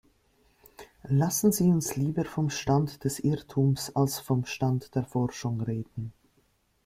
Lassen Sie uns lieber vom Stand des Irrtums als vom Stand der Forschung reden.